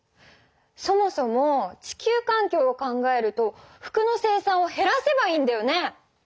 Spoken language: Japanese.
そもそも地球環境を考えると服の生産をへらせばいいんだよね！